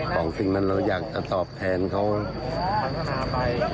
ของสิ่งนั้นเราอยากจะตอบแทนเขา